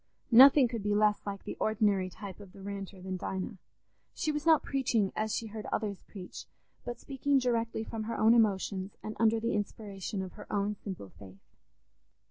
Nothing could be less like the ordinary type of the Ranter than Dinah. She was not preaching as she heard others preach, but speaking directly from her own emotions and under the inspiration of her own simple faith.